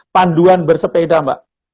panduan bersepeda mbak